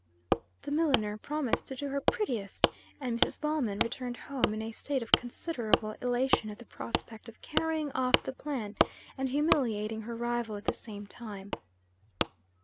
The milliner promised to do her "prettiest," and Mrs. Ballman returned home in a state of considerable elation at the prospect of carrying off the palm, and humiliating her rival at the same time.